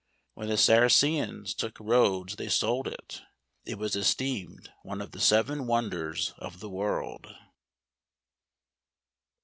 When the Saracens took Rhodes they sold it. It was esteemed one of the Seven Wonders of the world.